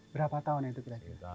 berapa tahun itu